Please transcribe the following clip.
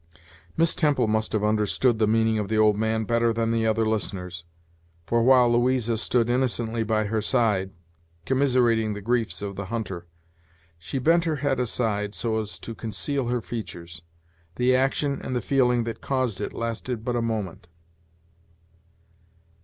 Miss Temple must have understood the meaning of the old man better than the other listeners; for while Louisa stood innocently by her side, commiserating the griefs of the hunter, she bent her head aside, so as to conceal her features. The action and the feeling that caused it lasted but a moment.